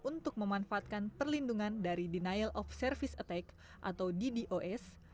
untuk memanfaatkan perlindungan dari denial of service attack atau ddos